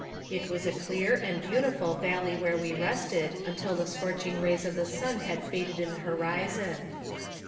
It was a clear and beautiful valley where we rested, until the scorching rays of the sun had faded in the horizon.